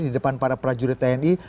di depan para prajurit tni